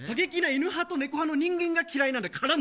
過激な犬派と猫派の人間が嫌いなんだよ。